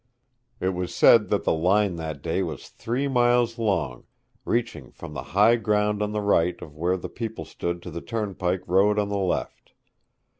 It was said that the line that day was three miles long, reaching from the high ground on the right of where the people stood to the turnpike road on the left.